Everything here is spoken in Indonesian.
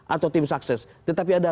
atau tim sukses tetapi ada